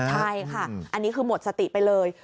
ใช่ค่ะอันนี้คือหมดสติไปเลย